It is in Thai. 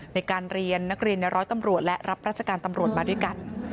ในการเรียนนักเรียนในร้อยตำรวจและรับราชการตำรวจมาด้วยกัน